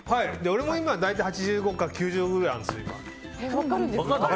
俺も大体８５から９０度くらいあるんです。